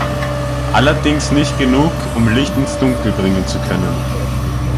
Allerdings nicht genug, um Licht ins Dunkel bringen zu können.